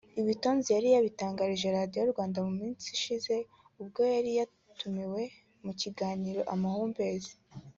Ibi Tonzi yabitangarije Radiyo Rwanda mu minsi ishize ubwo yari yatumiwe mu kiganiro Amahumbezi